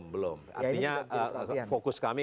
belum artinya fokus kami